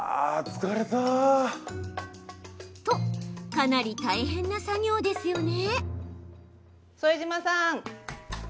と、かなり大変な作業ですよね。